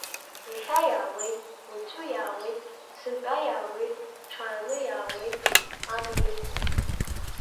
Иахьа иаауеит, уаҵәы иаауеит, сынтәа иаауеит, ҽааны иаауеит, амҩа иқәуп.